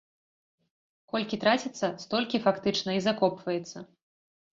Колькі траціцца, столькі, фактычна, і закопваецца.